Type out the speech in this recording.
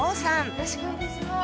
よろしくお願いします。